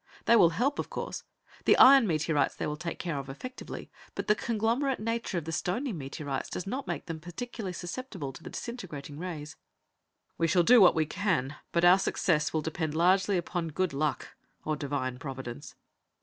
They will help, of course. The iron meteorites they will take care of effectively, but the conglomerate nature of the stony meteorites does not make them particularly susceptible to the disintegrating rays. "We shall do what we can, but our success will depend largely upon good luck or Divine Providence."